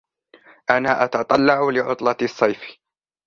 أنا أتتطلع لعطلة الصيف.